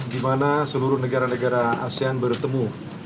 gimana seluruh negara negara asean bertemu